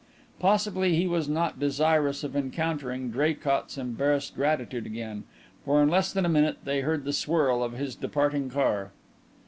Possibly he was not desirous of encountering Draycott's embarrassed gratitude again, for in less than a minute they heard the swirl of his departing car.